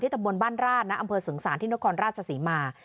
ที่ตระบวนบ้านราชอำเภอสึงสารที่นครราชศาสีมา